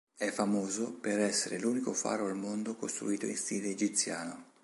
È famoso per essere l'unico faro al mondo costruito in stile egiziano.